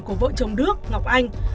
của vợ chồng đức ngọc anh